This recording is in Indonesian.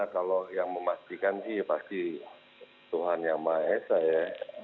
kalau yang memastikan sih pasti tuhan yang maha esa ya